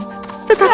tetapi kita tidak bisa